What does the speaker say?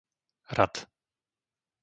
Rad